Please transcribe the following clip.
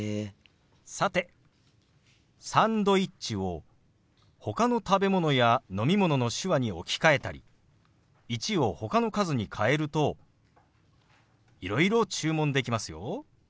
さて「サンドイッチ」をほかの食べ物や飲み物の手話に置き換えたり「１」をほかの数に変えるといろいろ注文できますよ。